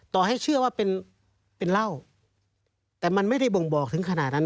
ต่อให้เชื่อว่าเป็นเป็นเหล้าแต่มันไม่ได้บ่งบอกถึงขนาดนั้น